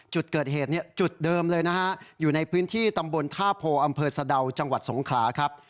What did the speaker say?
จุดเกิดเหตุเนี่ยจุดเดิมเลยนะฮะอยู่ในพื้นที่ตำบลท่าโพอำเภอสะดาวจังหวัดสงขลาครับ